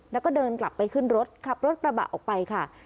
แล้วก็เดินกลับไปขึ้นรถขับรถกระบะออกไปค่ะ